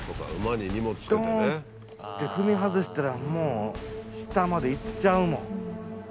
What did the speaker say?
ドン！って踏み外したらもう下まで行っちゃうもん。